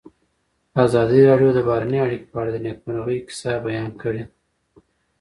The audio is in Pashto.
ازادي راډیو د بهرنۍ اړیکې په اړه د نېکمرغۍ کیسې بیان کړې.